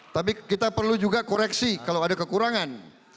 tapi kita perlu juga koreksi kalau ada kekurangan